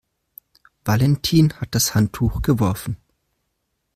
Valentin hat das Handtuch geworfen.